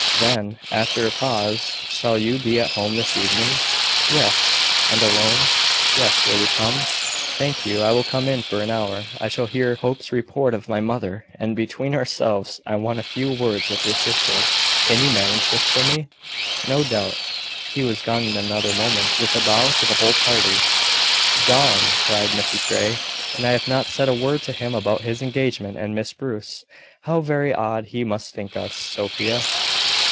Then, after a pause "Shall you be at home this evening?" "Yes." "And alone?" "Yes. Will you come?" "Thank you; I will come in for an hour. I shall then hear Hope's report of my mother; and between ourselves I want a few words with your sister. Can you manage this for me?" "No doubt." He was gone in another moment, with a bow to the whole party. "Gone!" cried Mrs Grey; "and I have not said a word to him about his engagement and Miss Bruce! How very odd he must think us, Sophia!"